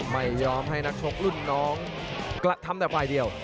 ไม่ยอมให้นักชกรุ่นน้องกระทำแต่ฝ่ายเดียว